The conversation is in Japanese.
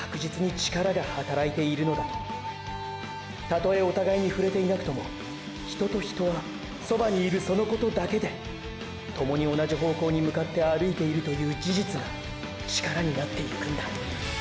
たとえお互いに触れていなくとも人と人はそばにいるそのことだけで共に同じ方向に向かって歩いているという事実が“力”になってゆくんだ！！